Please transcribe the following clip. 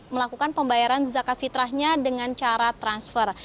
melakukan pembayaran zakat fitrahnya dengan cara transfer